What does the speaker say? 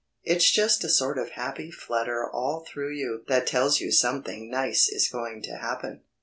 "It's just a sort of happy flutter all through you that tells you something nice is going to happen."